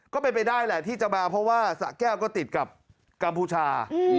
ก็เป็นไปได้แหละที่จะมาเพราะว่าสะแก้วก็ติดกับกัมพูชา